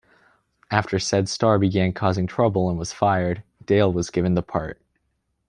After said star began "causing trouble" and was fired, Dale was given the part.